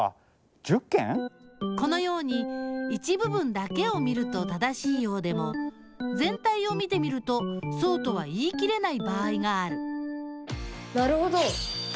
このように一部分だけを見ると正しいようでもぜん体を見てみるとそうとは言い切れない場合があるなるほど！